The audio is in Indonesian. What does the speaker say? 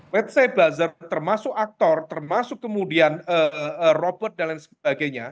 ⁇ lets ⁇ say buzzer termasuk aktor termasuk kemudian robot dan lain sebagainya